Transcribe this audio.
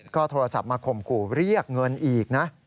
ก็โทรศัพท์มาข่มขู่เรียกเงินอีกนะ